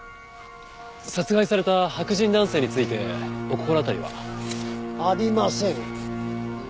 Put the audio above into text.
殺害された白人男性についてお心当たりは？ありません。